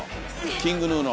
ＫｉｎｇＧｎｕの。